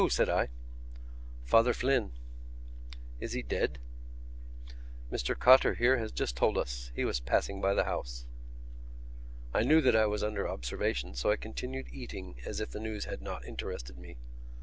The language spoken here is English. said I. "Father Flynn." "Is he dead?" "Mr Cotter here has just told us. He was passing by the house." I knew that I was under observation so I continued eating as if the news had not interested me.